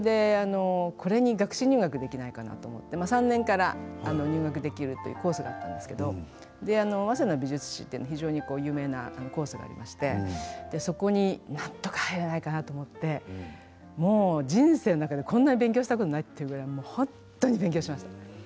これに学士入学できないかなと思って３年から入学できるというコースだったんですけど早稲田の美術史は、非常に有名なコースがありましてそこになんとか入れないかなと思って人生の中でこんなに勉強したことないというくらい本当に勉強しました。